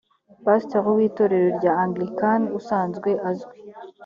pasteur w itorero rya anglican usanzwe azwi